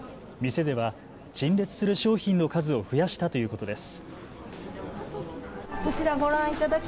店では陳列する商品の数を増やしたということです。